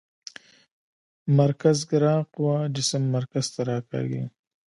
مرکزګرا قوه جسم مرکز ته راکاږي.